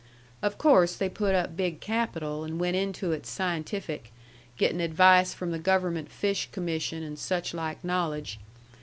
Of course they put up big capital and went into it scientific, gettin' advice from the government Fish Commission, an' such like knowledge.